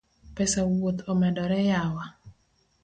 Pesa wuoth omedore yawa